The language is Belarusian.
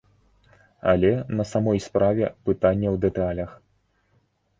Але, на самой справе, пытанне ў дэталях.